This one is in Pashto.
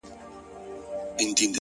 تور زهر دې د دوو سترگو له ښاره راوتلي”